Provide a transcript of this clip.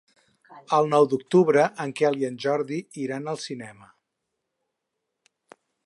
El nou d'octubre en Quel i en Jordi iran al cinema.